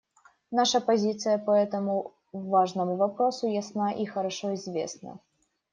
Наша позиция по этому важному вопросу ясна и хорошо известна.